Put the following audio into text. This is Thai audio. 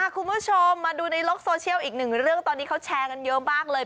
คุณผู้ชมมาดูในโลกโซเชียลอีกหนึ่งเรื่องตอนนี้เขาแชร์กันเยอะมากเลย